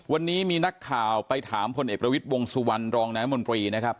วันนี้มีนักข่าวไปถามพลเอกประวิทย์วงสุวรรณรองนายมนตรีนะครับ